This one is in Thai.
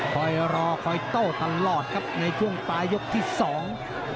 คอยรอคอยโต้ตลอดครับในช่วงปลายยกที่สอง